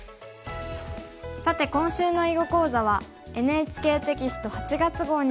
さて今週の囲碁講座はＮＨＫテキスト８月号に詳しく載っています。